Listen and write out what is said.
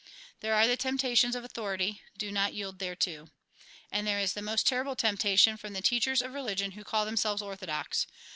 There are the temptations of authority ; do not yield thereto. And there is the most terrible temptation, from the teachers of religion who call themselves orthodox.